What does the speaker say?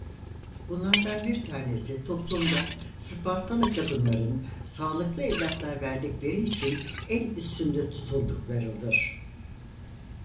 Bunlardan bir tanesi toplumda Spartalı kadınların sağlıklı evlatlar verdikleri için el üstünde tutulduklarıdır.